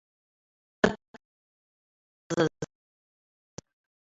Кадырбеи дҩаҵыззашәа.